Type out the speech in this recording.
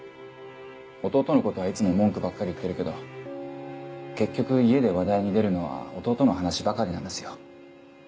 弟のことはいつも文句ばっかり言ってるけど結局家で話題に出るのは弟の話ばかりなんですよ